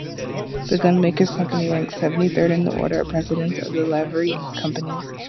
The Gunmakers' Company ranks seventy-third in the order of precedence of the Livery Companies.